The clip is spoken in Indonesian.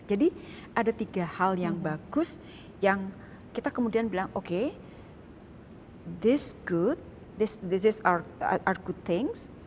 jadi ada tiga hal yang bagus yang kita kemudian bilang oke ini bagus ini adalah hal yang bagus